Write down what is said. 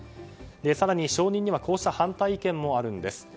更に、承認にはこうした反対意見もあるんです。